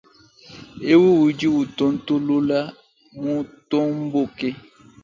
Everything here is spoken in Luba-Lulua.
Eu udi utontolola, mutomboke.